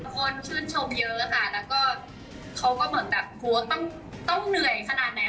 มันควรชื่นชมเยอะแล้วก็เค้าเข้ามาต้องเหนื่อยขนาดไหน